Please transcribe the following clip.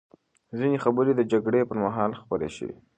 ځینې خبرې د جګړې پر مهال خپرې شوې.